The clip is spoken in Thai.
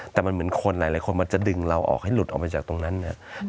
แต่มันเหมือนคนหลายคนมันจะดึงเราออกให้หลุดออกมาจากตรงนั้นเนี่ย